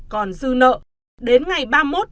còn dư nợ đến ngày ba mươi một ba hai nghìn một mươi tám